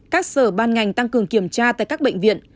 các sở ban ngành tăng cường kiểm tra tại các bệnh viện